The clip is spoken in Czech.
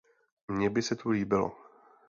Mně by se tu líbilo.